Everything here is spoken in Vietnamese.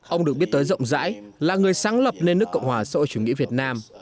ông được biết tới rộng rãi là người sáng lập nên nước cộng hòa sổ chủ nghĩa việt nam